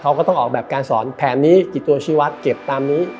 เขาก็ต้องออกแบบการสอนแผนนี้กี่ตัวชีวัตรเก็บตามนี้